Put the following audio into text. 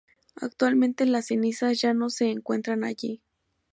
Actualmente las cenizas ya no se encuentran allí.